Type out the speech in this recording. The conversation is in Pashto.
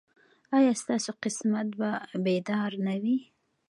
ایا ستاسو قسمت به بیدار نه وي؟